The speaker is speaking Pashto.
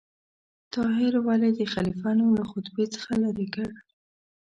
طاهر ولې د خلیفه نوم له خطبې څخه لرې کړ؟